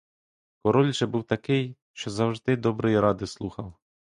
Король же був такий, що завжди доброї ради слухав.